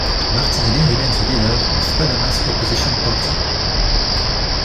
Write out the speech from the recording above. Martinelli remains the leader of Panama's opposition party.